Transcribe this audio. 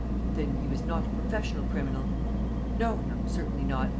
"Then he was not a professional criminal?" "No, no, certainly not!